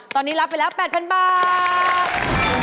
ตอนนี้รับไปแล้ว๘๐๐๐บาท